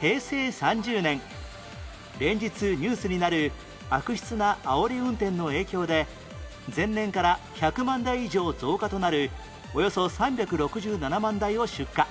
平成３０年連日ニュースになる悪質なあおり運転の影響で前年から１００万台以上増加となるおよそ３６７万台を出荷